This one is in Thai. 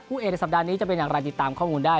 เอกในสัปดาห์นี้จะเป็นอย่างไรติดตามข้อมูลได้